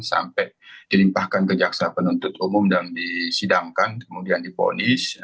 sampai dilimpahkan ke jaksa penuntut umum dan disidangkan kemudian diponis